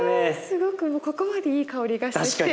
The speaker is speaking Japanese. すごくここまでいい香りがしてきて。